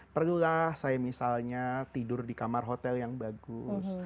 perlulah saya misalnya tidur di kamar hotel yang bagus